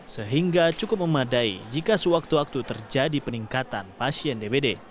sehingga cukup memadai jika sewaktu waktu terjadi peningkatan pasien dbd